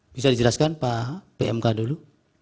bisa dijelaskan pak pmk dulu